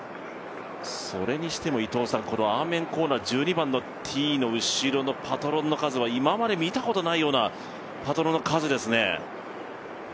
それにしてもこのアーメンコーナー１２番のティーの後ろのパトロンの数は今まで見たことないようなパトロンの数ですね。